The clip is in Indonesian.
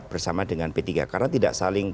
bersama dengan p tiga karena tidak saling